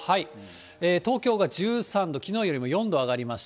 東京が１３度、きのうよりも４度上がりました。